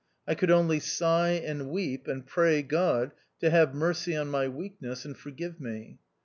I could only sigh, and weep, and pray God to have mercy on my weakness and forgive me.